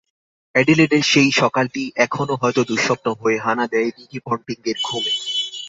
অ্যাডিলেডের সেই সকালটি এখনও হয়ত দুঃস্বপ্ন হয়ে হানা দেয় রিকি পন্টিংয়ের ঘুমে।